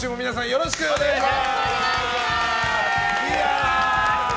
よろしくお願いします。